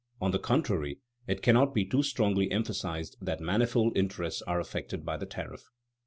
On the contrary, it cannot be too strongly emphasized that manifold interests are affected by the tariff.